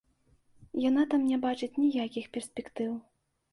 Яна там не бачыць ніякіх перспектыў.